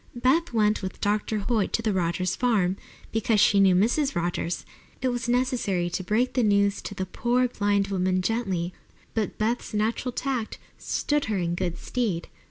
Beth went with Dr. Hoyt to the Rogers farm, because she knew Mrs. Rogers. It was necessary to break the news to the poor, blind woman gently, but Beth's natural tact stood her in good stead.